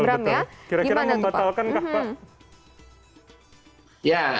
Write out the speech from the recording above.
kira kira membatalkan kah pak